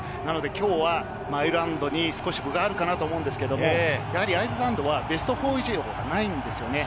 きょうはアイルランドに少し分があるかなと思うんですけれど、アイルランドはベスト４以上がないんですよね。